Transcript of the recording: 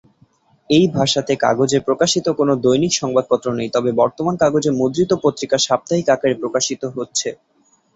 এই ভাষাতে কাগজে প্রকাশিত কোন দৈনিক সংবাদপত্র নেই, তবে বর্তমানে কাগজে মুদ্রিত পত্রিকা সাপ্তাহিক আকারে প্রকাশিত হচ্ছে।